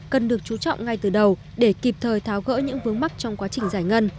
cần được chú trọng ngay từ đầu để kịp thời tháo gỡ những vướng mắt trong quá trình giải ngân